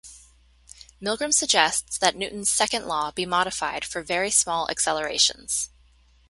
Milgrom suggests that Newton's Second Law be modified for very small accelerations.